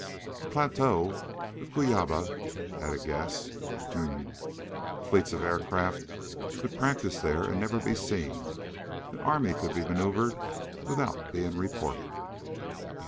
"The plateau of Cuyaba, at a guess. Hm.... Fleets of aircraft could practise there and never be seen. An army could be maneuvered without being reported.